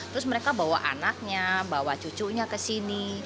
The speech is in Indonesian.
terus mereka bawa anaknya bawa cucunya ke sini